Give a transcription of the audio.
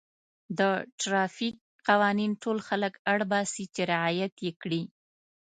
د ټرافیک قوانین ټول خلک اړ باسي چې رعایت یې کړي.